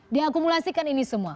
diakumulasikan ini semua